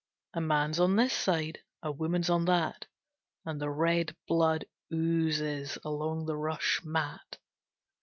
A man's on this side, a woman's on that, and the red blood oozes along the rush mat.